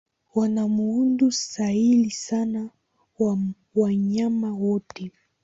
Wana muundo sahili sana wa wanyama wote.